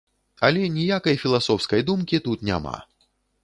Але ніякай філасофскай думкі тут няма.